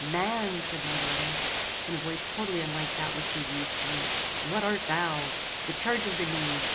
"Man," said my brother, in a voice totally unlike that which he had used to me, "what art thou? The charge has been made.